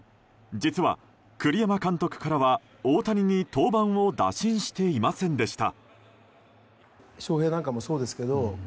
実は、栗山監督からは大谷に登板を打診していませんでした。